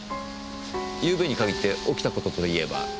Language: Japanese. ゆうべに限って起きた事と言えば？